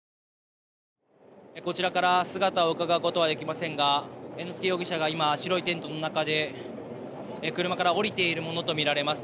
こちらから姿を伺うことはできませんが、猿之助容疑者が今、白いテントの中で、車から降りているものと見られます。